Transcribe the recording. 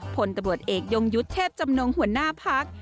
ผลตะบดเอกยงยุทธเทพจำนงหัวหน้าภักดิ์